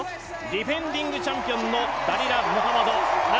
ディフェンディングチャンピオンのダリラ・ムハマド。